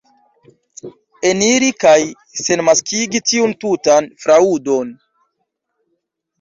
Eniri kaj senmaskigi tiun tutan fraŭdon?